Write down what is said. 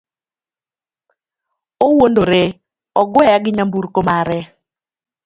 owuondore, ogweya gi nyamburko mare